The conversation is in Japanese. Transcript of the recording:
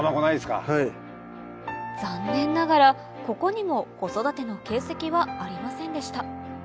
残念ながらここにも子育ての形跡はありませんでした